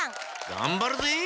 がんばるぜ！